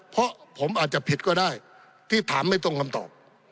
เพราะผมอาจจะผิดก็ได้ที่ถามไม่ตรงคำตอบ